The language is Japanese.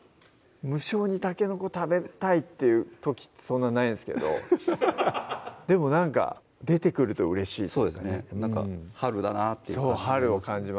無性にたけのこ食べたいっていう時そんなないですけどでもなんか出てくるとうれしいそうですねなんか春だなっていう感じ